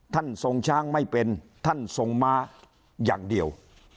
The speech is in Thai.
ทรงช้างไม่เป็นท่านทรงม้าอย่างเดียว